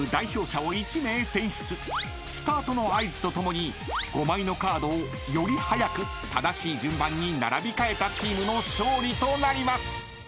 ［スタートの合図とともに５枚のカードをより早く正しい順番に並び替えたチームの勝利となります］